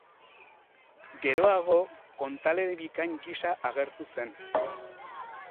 Geroago kontalari bikain gisa agertu zen.